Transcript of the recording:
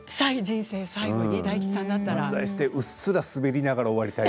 漫才してうっすらすべりながら終わりたい。